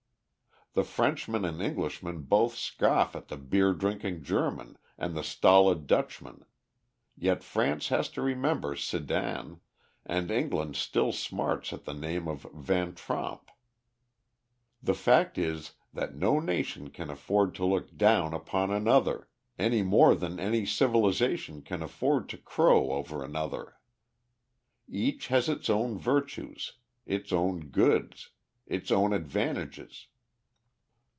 The Frenchman and Englishman both scoff at the beer drinking German and the stolid Dutchman, yet France has to remember Sedan, and England still smarts at the name of Van Tromp. The fact is that no nation can afford to look down upon another, any more than any civilization can afford to crow over another. Each has its own virtues, its own "goods," its own advantages.